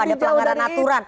ada pelanggaran aturan